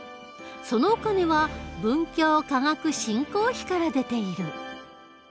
そのお金は文教科学振興費から出ている。